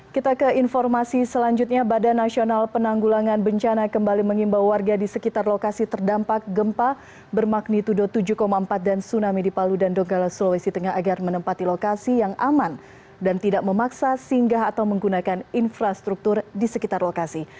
kita ke informasi selanjutnya badan nasional penanggulangan bencana kembali mengimbau warga di sekitar lokasi terdampak gempa bermagnitudo tujuh empat dan tsunami di palu dan donggala sulawesi tengah agar menempati lokasi yang aman dan tidak memaksa singgah atau menggunakan infrastruktur di sekitar lokasi